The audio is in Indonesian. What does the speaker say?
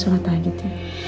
semoga ada di tengah